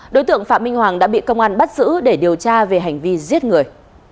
đối tượng phạm minh hoàng đã bị công an bắt giữ để điều tra về hành vi giết người